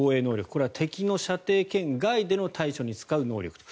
これは敵の射程圏外での対処に使う能力と。